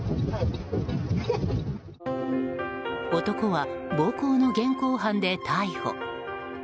男は暴行の現行犯で逮捕。